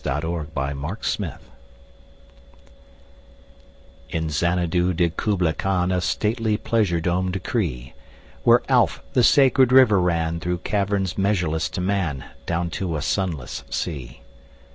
Kubla Khan IN Xanadu did Kubla Khan A stately pleasure dome decree: Where Alph, the sacred river, ran Through caverns measureless to man Down to a sunless sea.